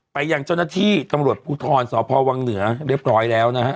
ไปยังเจ้าหน้าที่ตำรวจภูทรสพวังเหนือเรียบร้อยแล้วนะฮะ